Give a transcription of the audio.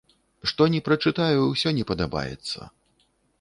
Што ні прачытаю, усё не падабаецца.